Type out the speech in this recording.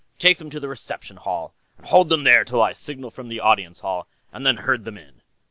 Take them to the Reception Hall, and hold them there till I signal from the Audience Hall, and then herd them in."